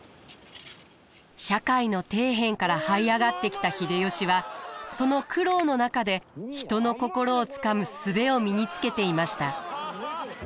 社会の底辺からはい上がってきた秀吉はその苦労の中で人の心をつかむ術を身につけていました。